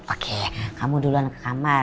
pakai kamu duluan ke kamar